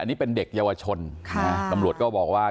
อันนี้เป็นเด็กเยาวชนตำรวจก็บอกว่า